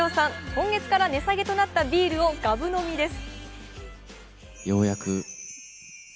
今月から値下げとなったビールをがぶ飲みです